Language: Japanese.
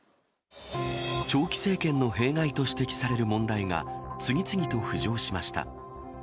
長期政権の弊害と指摘される問題が、次々と浮上しました。